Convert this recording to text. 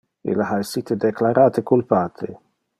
Ille ha essite declarate culpate.